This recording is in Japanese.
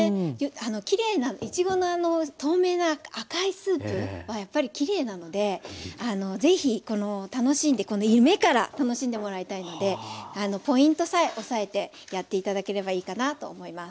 きれいないちごのあの透明な赤いスープはやっぱりきれいなのでぜひこの楽しんでこの目から楽しんでもらいたいのでポイントさえ押さえてやって頂ければいいかなと思います。